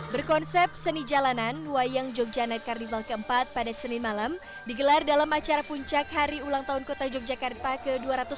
berkonsep seni jalanan wayang jogja night carnival keempat pada senin malam digelar dalam acara puncak hari ulang tahun kota yogyakarta ke dua ratus dua puluh